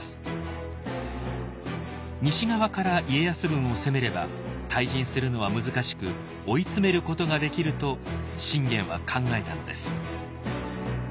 西側から家康軍を攻めれば退陣するのは難しく追い詰めることができると信玄は考えたのです。